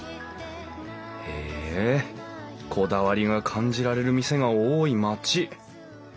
へえこだわりが感じられる店が多い町。